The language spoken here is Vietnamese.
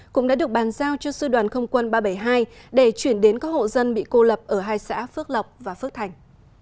cũng đã được bàn giao cho sư đoàn không quân ba trăm bảy mươi hai để chuyển đến các hộ dân bị cô lập ở hai xã phước lộc và phước thành